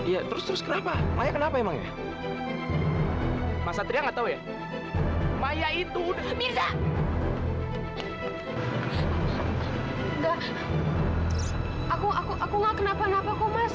ya terus terus kenapa maya kenapa emangnya masa trian atau ya maya itu bisa aku aku aku nggak kenapa napaku